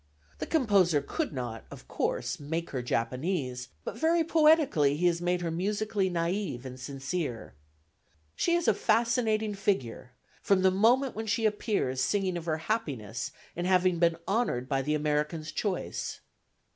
The composer could not, of course, make her Japanese, but very poetically he has made her musically naïve and sincere. She is a fascinating figure from the moment when she appears singing of her happiness in having been honoured by the American's choice.